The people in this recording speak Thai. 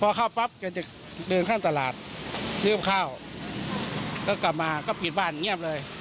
พอเข้าปั๊บแกจะดื่มข้างตลาดลืมเข้าก็กลับมาก็ปิดบ้านเงียบเลย